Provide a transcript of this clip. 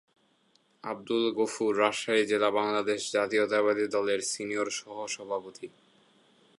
আবদুল গফুর রাজশাহী জেলা বাংলাদেশ জাতীয়তাবাদী দলের সিনিয়র সহসভাপতি।